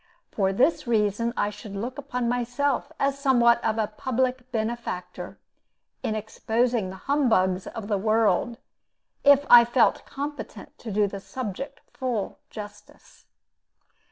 For this reason, I should look upon myself as somewhat of a public benefactor, in exposing the humbugs of the world, if I felt competent to do the subject full justice.